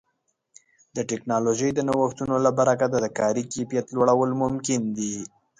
د ټکنالوژۍ د نوښتونو له برکه د کاري کیفیت لوړول ممکن دي.